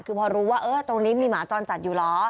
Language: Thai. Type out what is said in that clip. คือพอรู้ว่าตรงนี้มีหมาจรจัดอยู่เหรอ